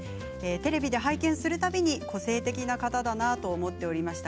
テレビで拝見するたびに個性的な方だなと思っておりました。